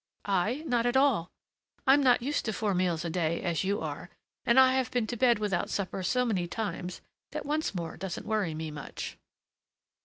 "I? Not at all. I'm not used to four meals a day as you are, and I have been to bed without supper so many times, that once more doesn't worry me much."